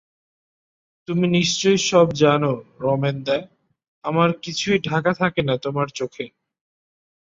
তুমি নিশ্চয় সব জান রমেনদা, আমার কিছুই ঢাকা থাকে না তোমার চোখে।